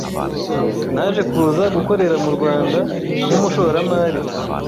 naje kuza gukorera mu Rwanda nk’umushoramari